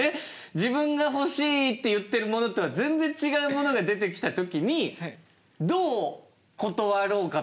自分が欲しいって言ってるものとは全然違うものが出てきた時にどう断ろうかというか。